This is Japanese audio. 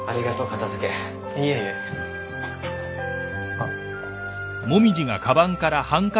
あっ。